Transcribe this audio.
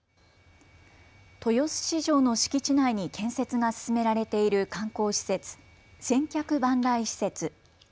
豊洲市場の敷地内に建設が進められている観光施設、千客万来施設。